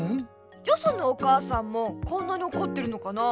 よそのお母さんもこんなにおこってるのかなあ？